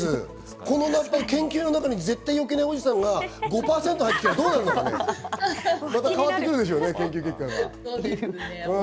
この研究の中に絶対避けないおじさんが５％入ってきたらどうなるのかって、また変わってくるでしょうね、研究結果が。